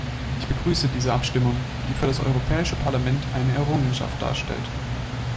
Ich begrüße diese Abstimmung, die für das Europäische Parlament eine Errungenschaft darstellt.